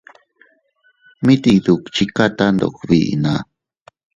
Mit iyduchikata ndog biʼi na.